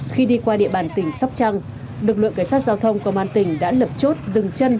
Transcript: khi đi qua địa bàn tỉnh sóc trăng lực lượng cảnh sát giao thông công an tỉnh đã lập chốt dừng chân